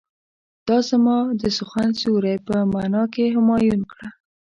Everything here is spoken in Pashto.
دا زما د سخن سيوری په معنی کې همایون کړه.